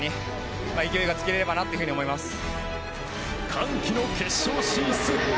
歓喜の決勝進出。